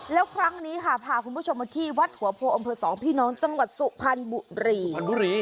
แล้วครั้งนี้ค่ะพาคุณผู้ชมมาที่วัดหัวโพอำเภอสองพี่น้องจังหวัดสุพรรณบุรี